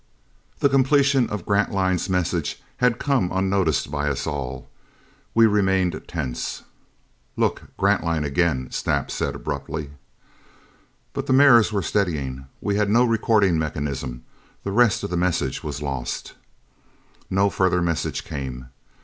The completion of Grantline's message had come unnoticed by us all. We remained tense. "Look! Grantline again!" Snap said abruptly. But the mirrors were steadying. We had no recording mechanism; the rest of the message was lost. No further message came.